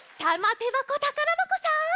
てばこたからばこさん